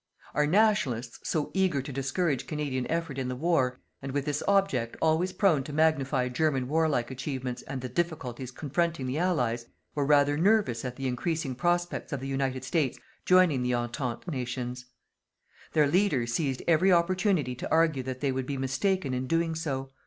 Our "Nationalists," so eager to discourage Canadian effort in the war, and, with this object, always prone to magnify German warlike achievements and the difficulties confronting the Allies, were rather nervous at the increasing prospects of the United States joining the Entente Nations. Their leader seized every opportunity to argue that they would be mistaken in doing so.